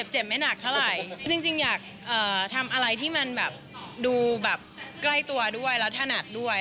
จริงอยากทำอะไรที่มันดูใกล้ตัวด้วย